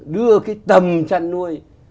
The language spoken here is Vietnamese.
đưa cái tầm chăn nuôi